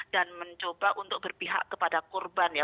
dan mencoba untuk berpihak kepada korban ya